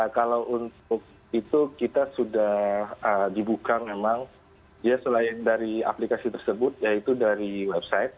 kalau untuk itu kita sudah dibuka memang ya selain dari aplikasi tersebut yaitu dari website